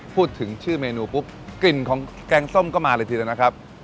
พูดถึงชื่อเมนูปุ๊บกลิ่นของแกงส้มก็มาเลยทีเดียวนะครับ